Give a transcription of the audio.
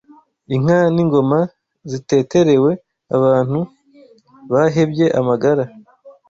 Inka n’ingoma ziteterewe Abantu bahebye amagara